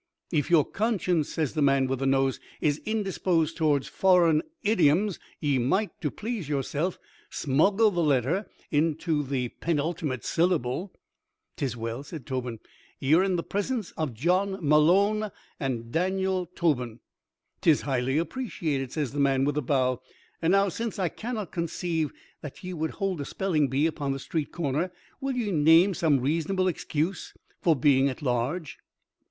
"If your conscience," says the man with the nose, "is indisposed toward foreign idioms ye might, to please yourself, smuggle the letter into the penultimate syllable." "'Tis well," says Tobin. "Ye're in the presence of Jawn Malone and Daniel Tobin." "Tis highly appreciated," says the man, with a bow. "And now since I cannot conceive that ye would hold a spelling bee upon the street corner, will ye name some reasonable excuse for being at large?"